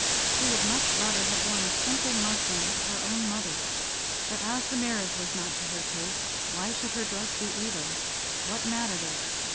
She would much rather have worn a simple muslin of her own mother, but as the marriage was not to her taste, why should her dress be, either? What mattered it?